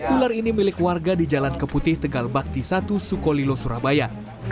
ular ini milik warga di jalan keputih tegal bakti satu sukolilo surabaya